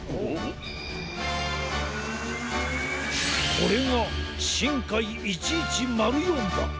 これがしんかい１１０４だ！